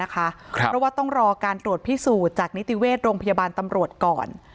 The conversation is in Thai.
เพราะว่าต้องรอการตรวจพิสูจน์จากนิติเวชโรงพยาบาลตำรวจก่อน